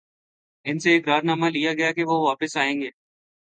ان سے اقرار نامہ لیا گیا کہ وہ واپس آئیں گے۔